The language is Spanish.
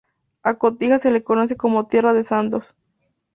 A Cotija se le conoce como tierra de santos.